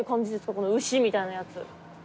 この「牛」みたいなやつ。